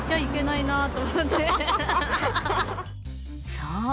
そう。